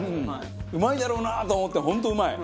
うまいだろうなと思って本当うまい。